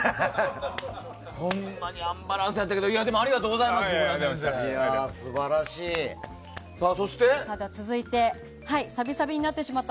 ほんまにアンバランスやったけどでも、ありがとうございました。